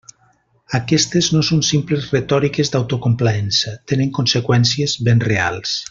Aquestes no són simples retòriques d'autocomplaença: tenen conseqüències ben reals.